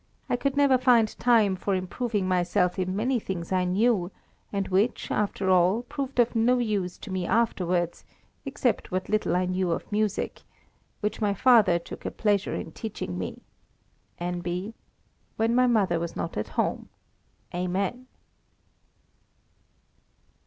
I could never find time for improving myself in many things I knew, and which, after all, proved of no use to me afterwards, except what little I knew of music ... which my father took a pleasure in teaching me—_N.B., when my mother was not at home. Amen.